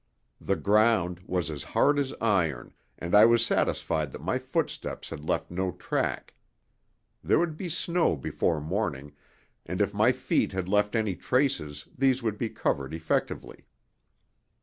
The ground was as hard as iron, and I was satisfied that my footsteps had left no track; there would be snow before morning, and if my feet had left any traces these would be covered effectively.